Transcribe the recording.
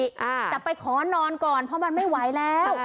อ่าแต่ไปขอนอนก่อนเพราะมันไม่ไหวแล้ว